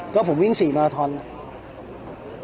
ก็ผมวิ่ง๔มาราทอน